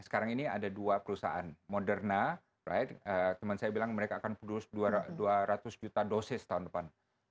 sekarang ini ada dua perusahaan moderna teman saya bilang mereka akan putus dua ratus juta dosis tahun depan